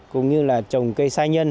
cũng như là trồng cây sai nhân